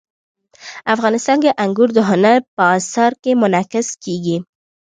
افغانستان کې انګور د هنر په اثار کې منعکس کېږي.